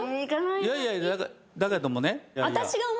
いやいやだけどもね。